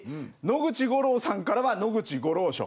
野口五郎さんからは「野口五郎賞」。